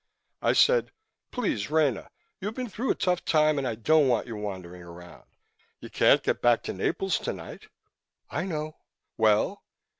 I said: "Please, Rena, you've been through a tough time and I don't want you wandering around. You can't get back to Naples tonight." "I know." "Well?"